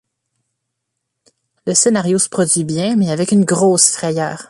Le scénario se produit bien mais avec une grosse frayeur.